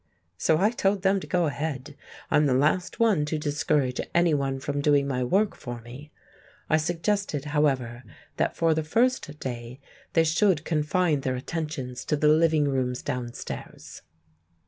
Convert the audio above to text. So I told them to go ahead; I'm the last one to discourage anyone from doing my work for me. I suggested, however, that for the first day they should confine their attentions to the living rooms downstairs.